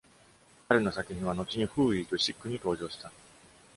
彼の作品は後に「Fooey」と「Sick」に登場した。